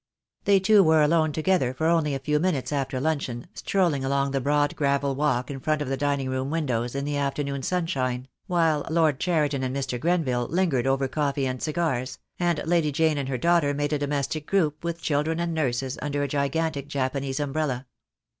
They two were alone together for only a few minutes after luncheon, strolling along the broad gravel walk in front of the dining room windows, in the afternoon sun shine, while Lord Cheriton and Mr. Grenville lingered over coffee and cigars, and Lady Jane and her daughter made a domestic group with children and nurses under a gigantic Japanese umbrella.